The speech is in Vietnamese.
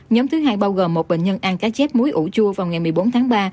nhóm thứ hai bao gồm một bệnh nhân ăn cá chép muối ủ chua vào ngày một mươi bốn tháng ba